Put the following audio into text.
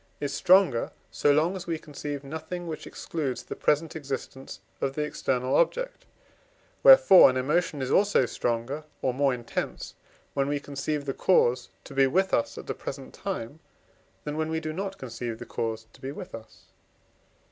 is stronger, so long as we conceive nothing which excludes the present existence of the external object; wherefore an emotion is also stronger or more intense, when we conceive the cause to be with us at the present time, than when we do not conceive the cause to be with us.